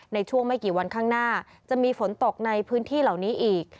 ในช่วงไม่กี่วันข้างหน้าจะมีฝนตกในพื้นที่เหล่านี้อีก